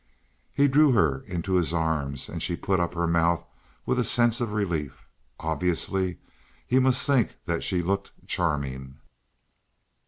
He drew her into his arms, and she put up her mouth with a sense of relief. Obviously, he must think that she looked charming.